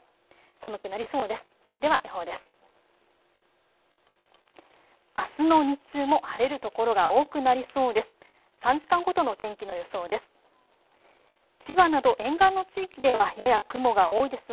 寒くなりそうです。